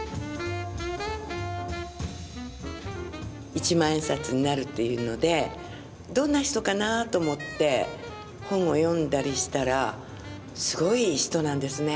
一万円札になるというのでどんな人かなと思って本を読んだりしたらすごい人なんですね。